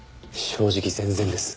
正直全然です。